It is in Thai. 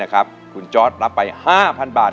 คุณจอร์ดรับไป๕๐๐บาท